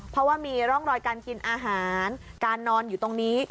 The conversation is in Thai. เพราะว่ามีร่องรอยการกินอาหารการนอนอยู่ตรงนี้